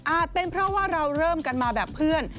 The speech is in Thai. เป็นเพราะว่าเราเริ่มกันมาแบบเพื่อน